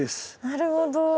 なるほど。